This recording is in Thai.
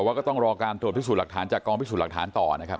ก็ต้องรอการตรวจพิสูจน์หลักฐานจากกองพิสูจน์หลักฐานต่อนะครับ